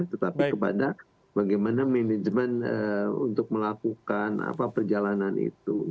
tetapi kepada bagaimana manajemen untuk melakukan perjalanan itu